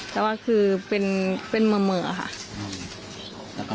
แต่ว่าคือเป็นเป็นเมอร์ค่ะ